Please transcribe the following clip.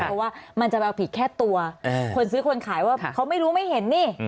เพราะว่ามันจะไปเอาผิดแค่ตัวคนซื้อคนขายว่าเขาไม่รู้ไม่เห็นนี่